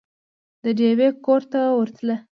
د ډېوې کور ته ورتله